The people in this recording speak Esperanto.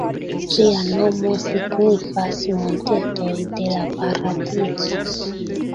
Ĝia nomo signifas "montetoj de la paradizo".